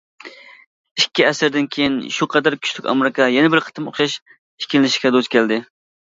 ئىككى ئەسىردىن كىيىن شۇ قەدەر كۈچلۈك ئامېرىكا يەنە بىر قېتىم ئوخشاش ئىككىلىنىشكە دۇچ كەلدى.